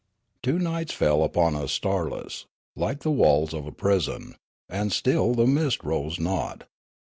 Two nights fell upon us starless, like the walls of a prison, and still the mist rose not.